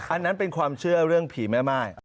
อันนั้นเป็นความเชื่อเรื่องผีแม่ม่าย